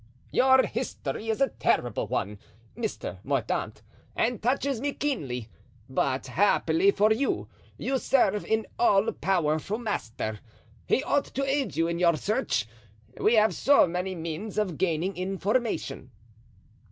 "Your history is a terrible one, Mr. Mordaunt, and touches me keenly; but happily for you, you serve an all powerful master; he ought to aid you in your search; we have so many means of gaining information."